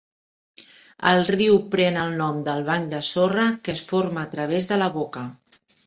El riu pren el nom del banc de sorra que es forma a través de la boca.